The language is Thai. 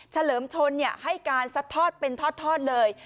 เลิมชนให้การซัดทอดเป็นทอดเลย